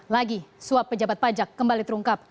lagi suap pejabat pajak kembali terungkap